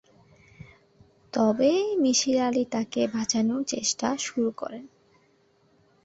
তবে মিসির আলি তাকে বাঁচানোর চেষ্টা শুরু করেন।